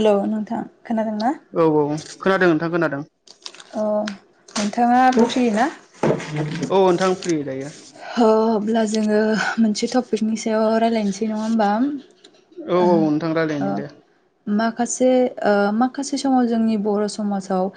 हेल' नोंथां खोनादोंना औ औ खोनादों नोंथां खोनादों अ नोंथाङा फ्रि ना औ नोंथां फ्रि दायो अब्ला जोङो मोनसे टपिकनि सायाव रायज्लायनोसै नङा होमबा औ औ नोंथां ओ रायज्लायनो दे माखासे माखासे समाव जोंनि बर' समाजाव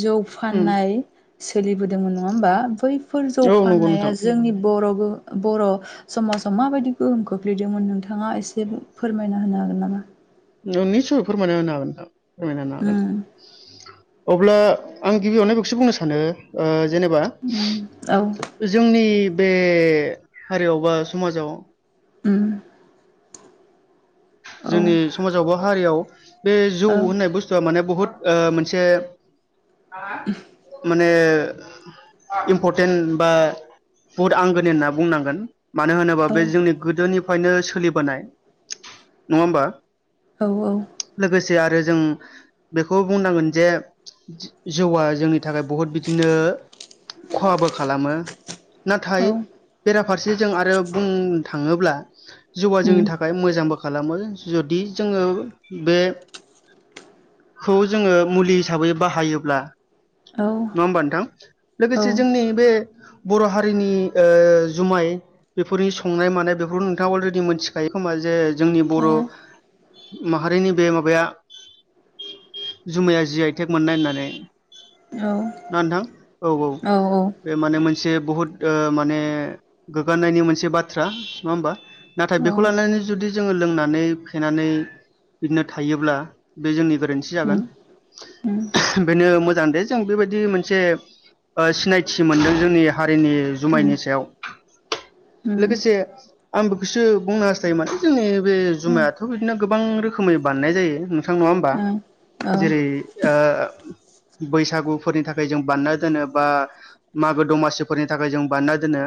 जौ उम फाननाय सोलिबोदोंमोन नङा होमबा बैफोर जौ औ नंगौ फाननाया नोंथां जों बर' समाजाव माबायदि गोहोम खोख्लैदोंमोन नोंथां नोंथाङा एसे फोरमायना होनो हागोन नामा नोंनिसय फोरमायना होनो हागोन फोरमायना हागोन उम अब्ला आं गिबियावनो बेखौसो बुंनो सानो जेनेबा उम औ जोंनि बे हारियाव बा समाजाव उम औ जोंनि समाजाव बा हारियाव बे जौ होननाय बुस्थुआ माने बहुद ओ मोनसे माने इम्परटेन्ट बा बुहुद आंगोन होनना बुंनांगोन मानो होनोबा औ बे जोंनि गोदोनिफ्रायनो सोलिबोनाय नङा होमबा औ औ लोगोसे आरो जों बेखौ बुंनांगोन जे जौआ जोंनि थाखाय बहुत बिदिनो खहाबो खालामो ना औ थायो बेराफारसे जों आरो बुंनो थाङोब्ला जिउआ जोंनि उम थाखाय मोजांबो खालामो जुदि जोङो बे खौ जोङो मुलि हिसाबै बाहायोब्ला औ नङा होमबा नोंथां लोगोसे जोंनि बे बर' हारिनि जुमाय बेफोरनि संनाय मानाय बेफोरखौ नोंथाङा अलरेडि मोनथिखायो खोमा जे जोंनि बर' माहारिनि बे माबाया जुमाया जि आइटेक मोननाय होननानै औ ना नोंथां औ औ माने मोन मोनसे बहुद माने गोग्गानायनि मोनसे बाथ्रा नङा होमबा नाथाय औ बेखौ लानानै जुदि जोङो लोंनानै फेनानै बिदिनो थायोब्ला बे जोंनि गोरोन्थि जागोन उम उम बेनो मोजां दे जों बेबायदि मोनसे सिनायथि मोनदों जोंनि हारिनि उम जुमायनि सायाव उम लोगोसे आं बेखौसो बुंनो हास्थायोमोन जोंनि बे उम जुमायाथ' बिदिनो गोबां रोखोमै बानायनाय जायो नोंथां नङा होमबा औ औ जेरै ओ बैसागुफोरनि थाखाय जों बानायना दोनो बा मागो दमासिफोरनि थाखाय जों बानायना दोनो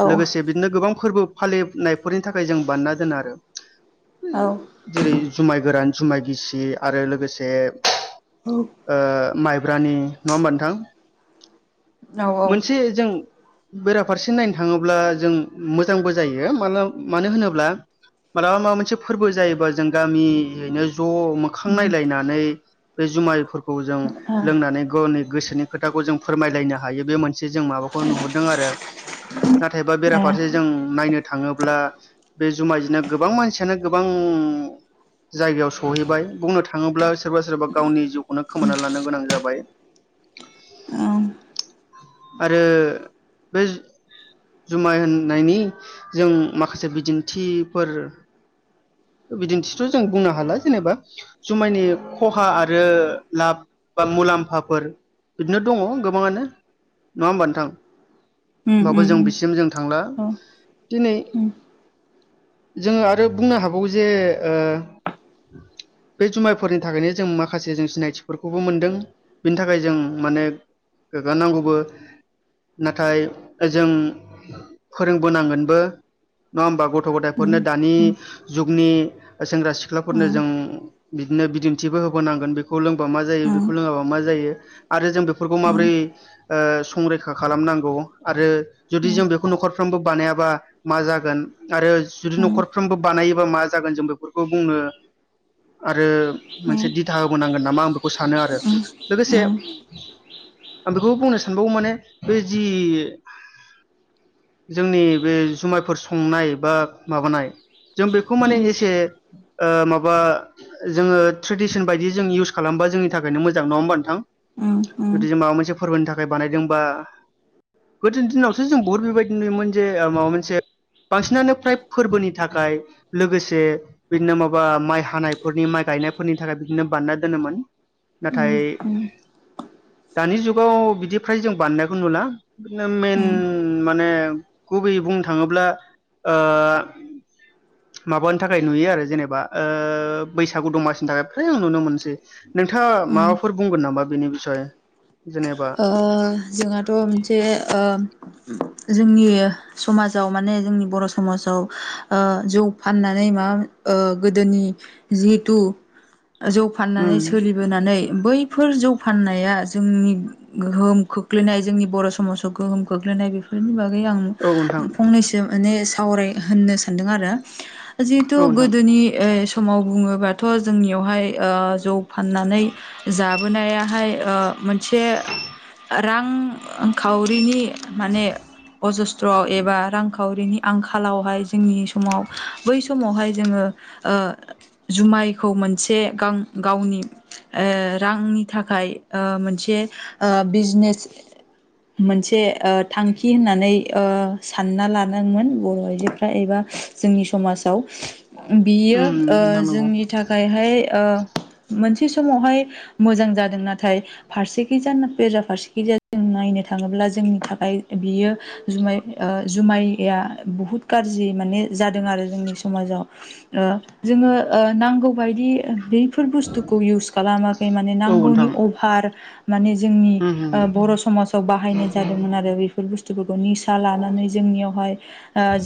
औ लोगोसे बिदिनो गोबां फोरबो फालिनायफोरनि थाखाय जों बानायना दोनो आरो औ जेरै जुमाय गोरान जुमाय गिसि आरो लोगोसे ओ माइब्रानि नङा होमबा नोंथां मोनसे जों बेराफारसे नायनो थाङोब्ला जों मोजांबो जायो माला मानो होनोब्ला मालाबा माबा मोनसे फोरबो जायोबा जों गामियैनो ज' मोखां नायलायनानै बे जुमायफोरखौ खौ जों लोंनानै गनि गोसोनि खोथाखौ जों फोरमायलायनो हायो बे मोनसे जों माबाखौ नुहरदों आरो नाथायबा ए बेराफारसे जों नायनो थाङोब्ला बे जुमाय जोंनो गोबां मानसियानो गोबां जायगायाव सहैबाय बुंनो थाङोब्ला सोरबा सोरबा गावनि जिउखौनो खोमाना लानो गोनां जाबाय औ आरो बे जुमाय होननायनि जों माखासे बिदिन्थिफोर बिदिन्थिथ' जों बुंनो हाला जेनेबा जुमायनि खहा आरो लाब बा मुलाम्फाफोर बिदिनो दंङ गोबाङानो नङा होमबा नोंथां उम होनबाबो उम जों उम औ बिसिम जों थांला दिनै उम उम जोङो आरो बुंनो हागौ जे बे जुमायफोरनि थाखायनो जों माखासे जों सिनायथिफोरखौबो मोनदों बिनि थाखाय जों माने गोगगानांगौबो नाथाय जों फोरोंबोनांगोनबो नङा होमबा गथ' गथ' उम उम गथायफोरनो दानि जुगनि सेंग्रा सिख्लाफोरनो जों बिदिनो बिदिन्थिबो होबोनांगोन बेखौ लोंबा मा जायो बेखौ लोङाबा मा जायो आरो जों बेफोरखौ माबोरै संरैखा खालामनांगौ आरो उम जुदि जों बेखौ न'खर खरफ्रोमबो बानायाबा मा जागोन आरो जुदि उम न'खरफ्रोमबो बानायोबा मा जागोन जों बेफोरखौ बुंनो आरो मोनसे उम दिथा होबोनांगोन नामा आं बेखौ सानो आरो लोगोसे आं बेखौ बुंनो सानबावो माने बे जि जोंनि बे जुमायफोर संनाय बा माबानाय जों बेखौ माने उम एसे माबा जोङो ट्रेडिसन बायदि जों इउस खालामो बा जोंनि थाखायनो मोजां नङा होमबा नोंथां जुदि जों माबा मोनसे फोरबोनि थाखाय बानायदोंबा गोदोनि दिनावथ' जों बुहुत बेबायदि नुयोमोन जे माबा मोनसे बांसिनानो फ्राय फोरबोनि थाखाय लोगोसे बिदिनो माबा माइ हानायफोरनि माइ गायनायफोरनि थाखाय बिदिनो बाना दोनोमोन नाथाय उम दानि जुगाव बिदि फ्राय जों बानायनायखौ नुला दिनो मेन उम माने गुबैयै बुंनो थाङोब्ला ओ [inaudible] माबानि थाखाय नुयो आरो जेनेबा ओ बैसागु दमासिनि थाखाय फ्राय नुनो मोनसै। नोंथाङा उम माबाफोर बुंगोन नामा बेनि बिसय? जेनेबा ओ जोंहाथ' मोनसे ओ जोंनि समाजाव माने जोंनि बर' समाजाव ओ जौ फाननानै माबा ओ गोदोनि जिहेथु जौ फाननानै उम सोलिबोनानै बैफोर जौ फाननाया जोंनि गोहोम खोख्लैनाय जोंनि बर' समाजाव गोहोम खोख्लैनाय बेफोरनि बागै आं औ नोंथां फंनैसो माने सावराय होननो सानदों आरो जिहेथु औ नोंथां गोदोनि ओ समाव बुङोबाथ' जोंनियावहाय ओ जौ फाननानै जाबोनायाहाय ओ मोनसे रांखावरिनि माने अजस्थ्रआव एबा रां खावरिनि आंखालावहाय जोंनि समाव बै समावहाय जोङो ओ जुमा यखौ मोनसे गाम गावनि ओ रांनि थाखाय ओ मोनसे ओ बिजनेस मोनसे ओ थांखि होननानै ओ सानना लानांगोन बर' आइजोफ्रा एबा जोंनि समाज आव बियो उम ओ नोंथां नंगौ जोंनि थाखायहाय ओ मोन से समावहाय मोजां जादों नाथाय फारसेखैजाय बेरा फारसेखैजाय नायनो थाङोब्ला जोंनि थाखाय बेयो जुमाय ओ जुमाइया बुहुत गाज्रि माने जादों आरो जोंनि समाजाव ओ जोङो ओ नांगौबायदि बे बेफोर बुस्थुखौ इउस खालामाखै माने औ नांगौनि नोंथां अभार माने जोंनि उम उम ओ बर' समाजाव बाहायनाय जादोंमोन आरो बेफोर बुस्थुफोरखौ निसा लानानै जोंनियाव हाय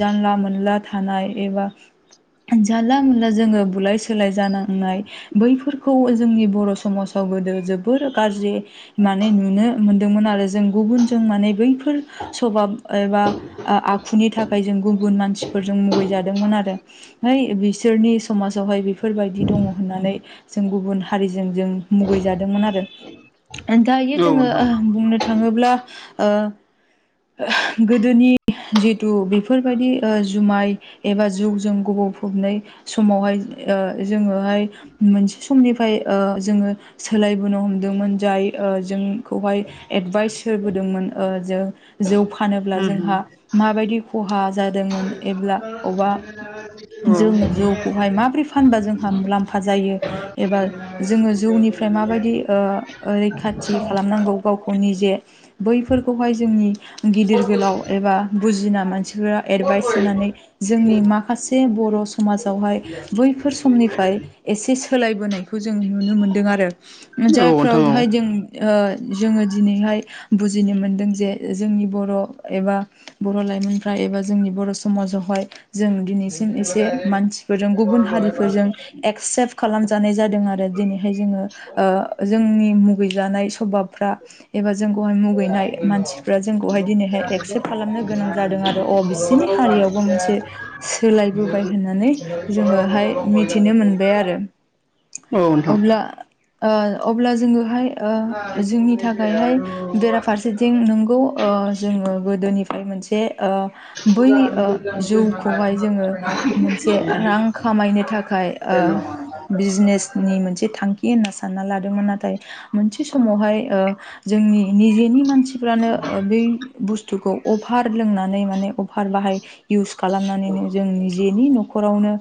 जानला मोनला थानाय एबा जानला मोनला जोङो बुलाय सोलाय जानांनाय बैफोरखौ जोंनि बर' समाजाव गोदो जोबोर गाज्रि नुनो मोनदोंमोन आरो। जों गुबुन जों माने बैफोर सभाब एबा ओ आखुनि थाखाय जों गुबुन मानसि फोरजों मुगै जादोंमोन आरो है बिसोरनि समाजावहाय बेफोरबायदि दङ होननानै जों गुबुन हारि जों जों मुगै जादोंमोन आरो ओंखायनो औ जोङो नोंथां ओ बुंनो थाङोब्ला ओ गोदोनि जितु बेफोरबायदि ओ जुमाय एबा जौजों गबावफबनाय समावहाय ओ जोङोहाय मोनसे समनिफ्राय ओ जोङो सोलायबोनो हमदोंमोन जाय ओ जों खौआय एडभाइस होबोदोंमोन ओ जों जौ फानोब्ला उम उम जोंहा माबायदि खहा जादोंमोन एब्ला अबा औ जोङो औ जौखौहाय माबोरै फानबा जोंहा मुलामफा जायो एबा जोङो जौनिफ्राय माबायदि ओ ओ रैखाथि खालामनांगौ गावखौ निजे बैफोरखौहाय जोंनि गिदिर गोलाव एबा बुजिना मानसिफोरा एडभाइस होनानै जोंनि माखासे बर' समाजावहाय बैफोर समनिफ्राय एसे सोलायबोनाय खौ जों नुनो मोनदों आरो नोंथां औ जायफ्रावहाय नोंथां जों ओ जोङो दिनैहाय बुजिनो मोनदों जे जोंनि बर' एबा बर' लाइमोनफ्रा एबा जोंनि बर' समाजा जावहाय जों दिनैसिम एसे मानसिफोरजों गुबुन हारिफोरजों एक्सेप्ट खालामजानाय जा दों आरो दिनैहाय जोङो ओ जोंनि मुगै जानाय सभाब फ्रा एबा जोंखौहाय मुगैनाय मानसिफ्रा जोंखौहाय दिनैहाय एक्सेप्ट खालामनो गोनां जादों आरो। अ बिसोरनि हारियावबो मोनसे सोलायबोबाय होननानै जोङोहाय मिथिनो मोन बाय आरो औ नोंथां अब्ला ओ अब्ला जोङोहाय ओ जोंनि थाखायहाय बेराफारसेथिं नंगौ ओ जोङो गोदोनि फ्राय मोनसे ओ बै ओ जौखौहाय जोङो मोनसे रां खामायनो थाखाय ओ बिजनेस नि मोनसे थांखि होनना सानना ला नाथाय मोनसे समावहाय ओ जोंनि निजेनि मानसिफ्रानो ओ बै बुस्थुखौ अफार लोंनानै माने अफार बाहाय इउस खालामनानैनो जोंनि जेनि न'खर नखरावनो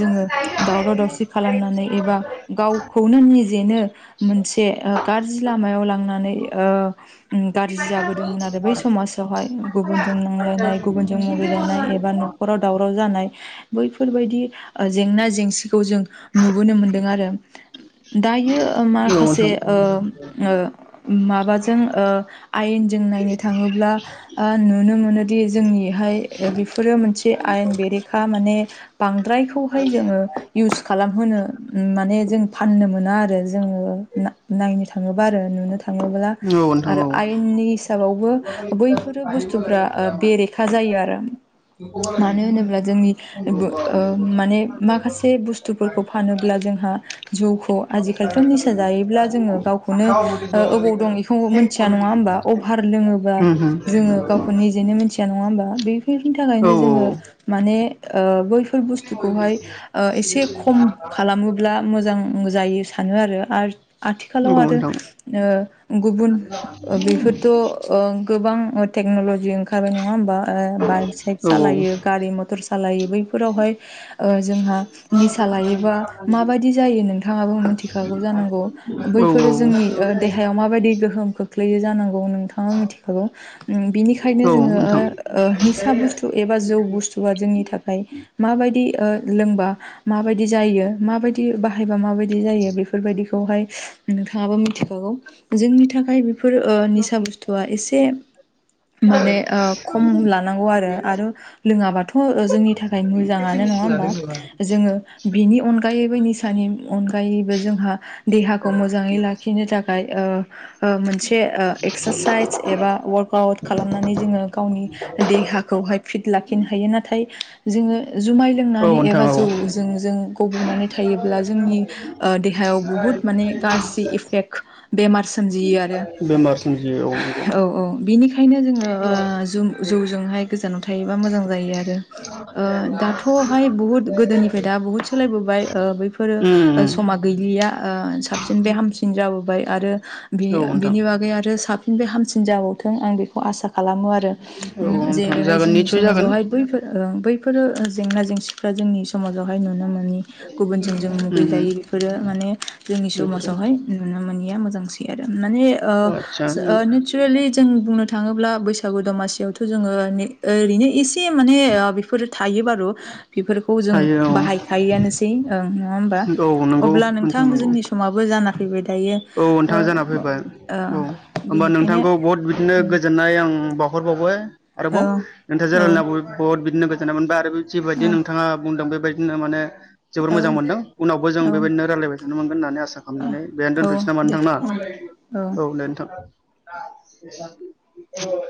जोङो दावराव दावसि खालामनानै एबा गावखौनो निजेनो मोनसे ओ गाज्रि लामायाव लांनानै ओ गाज्रि जाबोदोंमोन आरो बै समाज गोसोआवहाय गुबुनजों नांलायनाय गुबुनजों मुगैजानाय एबा न'खराव दावराव जानाय बैफोर बायदि ओ जेंना जेंसि खौ जों नुबोनो मोनदों आरो दायो ओ माखासे ओ ओ माबाजों ओ आयेन जों नायनो थाङोब्ला ओ नुनो मोनोदि जोंनिहाय बेफोरो मोनसे आयेन बेरेखा माने बांद्रायखौहाय जोङो इउस खालामहोनो माने जों फाननो मोना आरो जोङो नायनो थाङोबा आरो नुनो थाङोब्ला औ नोंथां आरो औ आयेननि हिसाबाव बो बैफोरो बुस्थुफ्रा ओ बेरेखा जायो आरो मानो होनोब्ला जोंनि बो ओ माने माखासे बुस्थुफोरखौ फानोब्ला जोंहा जौखौ आजि खालि निसा जायोब्ला जोङो गावखौनो ओ अबाव दं बेखौ मोनथिया नङा होमबा अभार लोङो बा जोङो उम गावखौ उम निजेनो मिथिया नङा होमबा बेफोरनि थाखायनो जोङो माने माने ओ बैफोर बुसथुखौहाय ओ एसे खम खालामोब्ला मोजां जायो सानो आरो आरो औ आथिखालाव आरो नंगौ नोंथां ओ गुबुन ओ बेफोरथ' ओ गोबां ओ टेक्न'लजि ओंखारबाय नङा होमबा ओ बाइक सेक औ सालायो गारि मथर सालायो बैफोरावहाय ओ जोंहा लायोबा मा बायदि जायो नोंथाङाबो मोनथि खागौ जानांगौ औ बैफोरो औ जोंनि ओ देहायाव मा बायदि गोहोम खोख्लैयो जानांगौ नोंथाङा मिथि खागौ बिनिखायनो ओ ओ औ नोंथां जोङो निसा बुस्थु एबा जौ बुस्थु सुआ जोंनि थाखाय मा बायदि ओ लोंबा मा बायदि जायो मा बायदि बाहायबा मा बायदि जायो बेफोर बायदिखौहाय नोंथाङाबा मिथिखागौ जोंनि थाखाय बेफोर ओ निसा बुस्थुआ एसे माने ओ खम लानांगौ आरो आरो लोङाबाथ' जोंनि थाखाय मोजांङानो नंङा होमबा जोङो बेनि अनगायैबो निसा नि अनगायैबो जोंहा देहाखौ मोजाङै लाखिनो थाखाय ओ ओ मोनसे ओ एक्सारसाइस एबा वार्कआउट खालामनानै जोङो गावनि देहाखौ वाहाय फिट लाखिनो हायो नाथाय जोङो जुमाय औ लोंनानै नोंथां एबा औ जौ जों जों गब'नानै थायोब्ला जोंनि ओ देहायाव बुहुत माने गाज्रि इफेक्ट बेमार सोमजियो आरो बेमार सोमजियो नंगौ औ औ बिनिखायनो जोङो जो जु जौजोंहाय गोजानाव थायोबा मोजां जायो आरो ओ दाथ'हाय बुहुत गोदोनिफ्राय दा बुहुत सोलायबोबाय ओ ओ बैफोरो उम उम समा गैलिया ओ साबसिन बे हामसिन जाबोबाय आरो बि औ नोंथां बिनि बागै आरो साब बो हामसिन जाबावथों आंखौ आसा खालाम खालामो आरो औ उम औ नोंथां जेरैहाय जागोन जोंनि निस्सय जागोन समाजावहाय उम बैफोर ओ बैफोरो जेंना जेंसि फोर जोंनि समाजावहाय नुनो मोनि गुबुनजों जों उम गैजायो बेफोरो माने जोंनि बेफोरो समाजावहाय नुनो मोनैया मोजांसै आरो माने ओ आदसा ओ नेचारेलि जों बुंनो थाङोब्ला बैसागु दमासियावथ' जोङो ओरैनो एसे माने बेफोर थायो बारु बेफोरखौ जों थायो औ बाहायखायोआनोसै होमबा औ नंगौ अब्ला नोंथां नंगौ जोंनि समाबो जान ह औ नोंथां जाना फैबाय ओ औ होमबा बिनिखायनो नोंथांखौ बहुद बिदिनो गोजोननाय आं बाव मखर बाबुवे औ आरोबाव नोंथाङा औ जेरना बहुद बिदिनो गोजोननाय मोनबाय आरो जिबायदि नोंथाङा बुंदों बे बेबायदिनो माने जोबोर मोजां मोनदों उनावबो जों औ बेबायदिनो रायलायबाय थानो मोनगोन होननानै आ आसा औ खालामनानै बेनो औ दोनथ'नोसै नामा दे नोंथांना? औ औ दे नोंथां। [unintelligible]